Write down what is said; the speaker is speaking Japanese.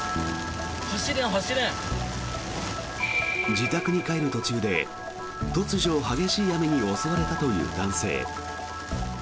自宅に帰る途中で、突如激しい雨に襲われたという男性。